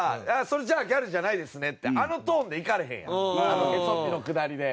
それじゃあギャルじゃないですねってあのトーンでいかれへんやんヘソピのくだりで。